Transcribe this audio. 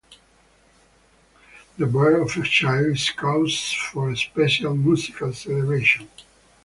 The birth of a child is cause for special musical celebration.